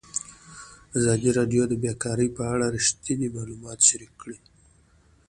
ازادي راډیو د بیکاري په اړه رښتیني معلومات شریک کړي.